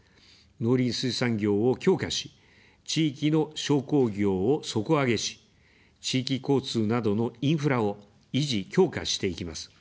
農林水産業を強化し、地域の商工業を底上げし、地域交通などのインフラを維持・強化していきます。